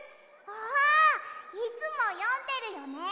ああいつもよんでるよね。